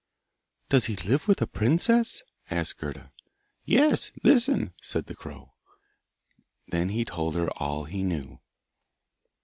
'Does he live with a princess?' asked Gerda. 'Yes, listen,' said the crow. Then he told her all he knew.